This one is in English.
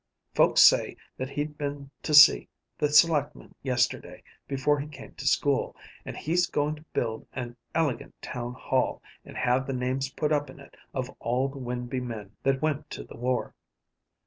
Folks say that he'd been to see the selectmen yesterday before he came to school, and he's goin' to build an elegant town hall, and have the names put up in it of all the Winby men that went to the war."